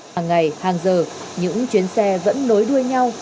hàng ngày hàng giờ những chuyến xe vẫn nối đuôi nhau